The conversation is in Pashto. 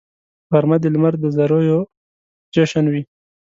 غرمه د لمر د زریو جشن وي